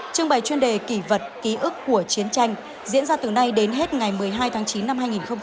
trưng bày chuyên đề kỷ vật ký ức của chiến tranh diễn ra từ nay đến hết ngày một mươi hai tháng chín năm hai nghìn một mươi chín